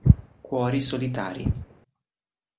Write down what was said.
Cuori solitari